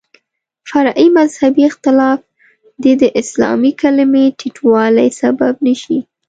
فرعي مذهبي اختلاف دې د اسلامي کلمې ټیټوالي سبب نه شي.